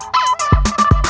kau mau kemana